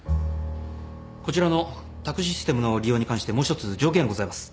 こちらの宅・システムの利用に関してもう１つ条件がございます。